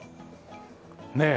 ねえ。